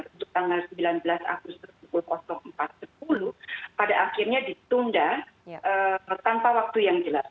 untuk tanggal sembilan belas agustus dua ribu empat belas dua ribu sepuluh pada akhirnya ditunda tanpa waktu yang jelas